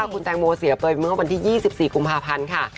คุณแตงโมเสียไปเมื่อวันที่๒๔กุมภาพันธ์ค่ะ